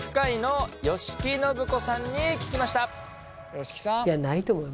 吉木さん。